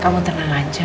kamu tenang aja